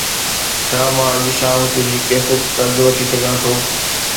ڇا مان اڄ شام تنهنجي ڪيسٽ قرض وٺي سگهان ٿو؟